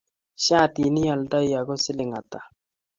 shatitni ioldoi ago siling hata?